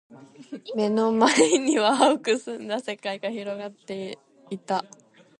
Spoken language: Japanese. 目の前には蒼く澄んだ世界が広がっていた。